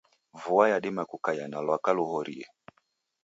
Vua yadima kukaia na lwaka luhorie.